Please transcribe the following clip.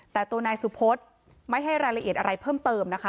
แต่ตัวนายสุพธไม่ให้รายละเอียดอะไรเพิ่มเติมนะคะ